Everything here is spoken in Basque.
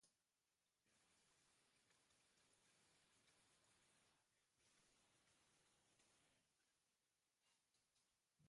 Lanestosa Enkarterrietako udalerri mendebaldekoena da, Bizkaiko mendebaldeko muturrean.